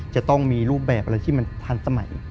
จะต้องมีรูปแบบอะไรที่มันทันสมัย